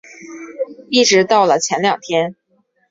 一直到了前两天